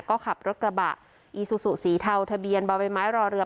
เนี่ยก็ขับรถกระบะอีสุสุสีเทาทะเบียนบาวไว้ไม้รอเรือ